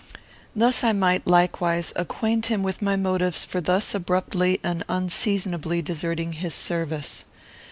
Thus I might, likewise, acquaint him with my motives for thus abruptly and unseasonably deserting his service.